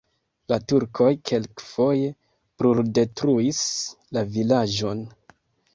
La turkoj kelkfoje bruldetruis la vilaĝon.